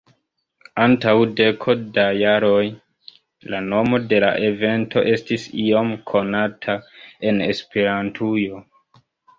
Antaŭ deko da jaroj, la nomo de la evento estis iom konata en Esperantujo.